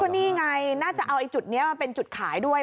นี่ไงน่าจะเอาจุดนี้มาเป็นจุดขายด้วย